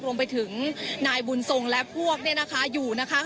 รวมไปถึงนายบุญทรงและพวกอยู่นะคะ